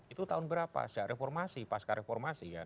itu tahun berapa paskal reformasi